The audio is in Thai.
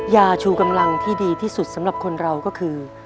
ยาชูกำลังที่ดีที่สุดสำหรับคนเราก็คือ